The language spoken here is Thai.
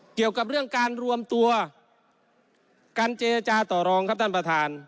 เกี่ยวกับเรื่องการรวมตัวการเจรจาต่อรองครับท่านประธาน